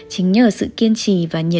chính nhờ sự kiên trì và nhiệt độ